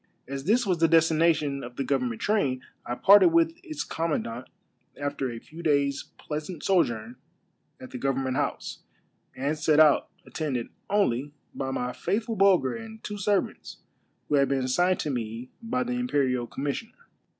As this was the destination of the government train, I parted with its commandant after a few daj^s' pleasant sojourn at the government house, and set out, attended only by my faithful Bulger and two servants, who had been assigned to me by the imperial commissioner.